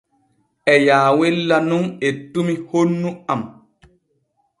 E yaawella nun ettumi honnu am.